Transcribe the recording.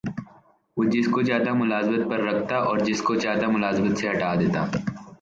وہ جس کو چاہتا ملازمت پر رکھتا اور جس کو چاہتا ملازمت سے ہٹا دیتا